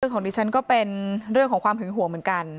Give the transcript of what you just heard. ของดิฉันก็เป็นเรื่องของความหึงห่วงเหมือนกัน